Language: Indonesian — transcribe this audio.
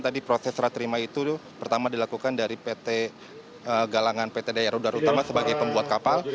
tadi proses serah terima itu pertama dilakukan dari pt galangan pt daya rudar utama sebagai pembuat kapal